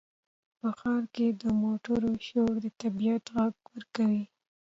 په ښار کې د موټرو شور د طبیعت غږ ورکوي.